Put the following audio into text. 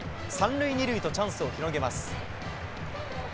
３塁２塁とチャンスを広げます。